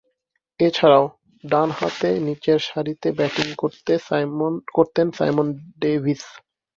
এছাড়াও, ডানহাতে নিচেরসারিতে ব্যাটিং করতেন সাইমন ডেভিস।